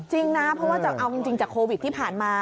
จริงนะเพราะว่าจะเอาจริงจากโควิดที่ผ่านมา